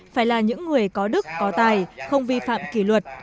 phải là những người có đức có tài không vi phạm kỷ luật